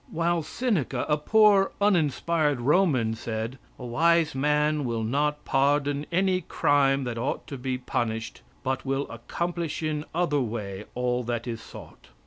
While Seneca, a poor uninspired Roman, said: "A wise man will not pardon any crime that ought to be punished, but will accomplish in other way all that is sought.